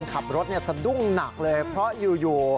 คนขับรถเนี่ยสะดุ้งหนักเลยเพราะอยู่